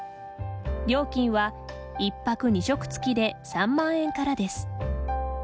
料金は１泊２食つきで３万円からです。